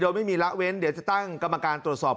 โดยไม่มีละเว้นเดี๋ยวจะตั้งกรรมการตรวจสอบ